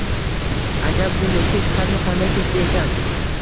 Ajab, bu mudhish qatl qanday kechdi ekan?